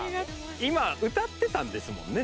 今歌ってたんですもんね？